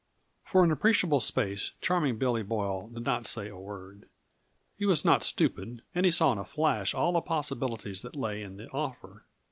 For an appreciable space Charming Billy Boyle did not say a word. He was not stupid and he saw in a flash all the possibilities that lay in the offer.